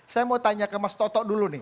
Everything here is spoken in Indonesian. saya mau tanya ke mas toto dulu nih